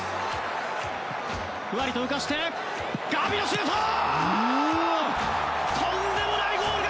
ふわりと浮かしてガビのシュート！